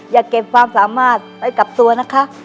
อย่าเก็บความสามารถไปกับตัวนะคะ